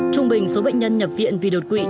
trung bình số bệnh nhân nhập viện vì đột quỵ